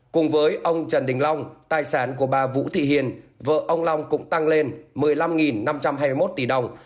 cùng với ông trần đình long tài sản của bà vũ thị hiền vợ ông long cũng tăng lên một mươi năm năm trăm hai mươi một tỷ đồng